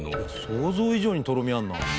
想像以上にとろみあるな。